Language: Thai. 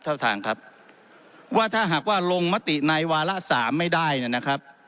ท่านครับว่าถ้าหากว่าลงมติในวาระสามไม่ได้นะครับ